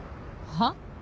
はっ？